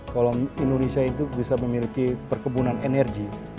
kalau indonesia itu bisa memiliki perkebunan energi